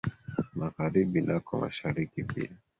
Magharibi nako mashariki pia